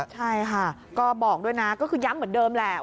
ใช่ค่ะก็บอกด้วยนะก็คือย้ำเหมือนเดิมแหละ